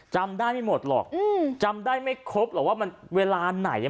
จำได้ไม่หมดหรอกจำได้ไม่ครบหรอกว่ามันเวลาไหน